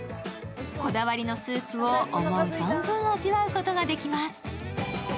こだわりのスープを思う存分味わうことができます。